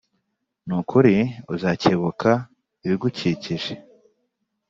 ni ukuri uzakebuka ibigukikije,